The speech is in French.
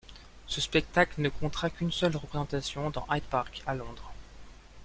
Ce spectacle ne comptera qu'une seule représentation, dans Hyde Park, à Londres.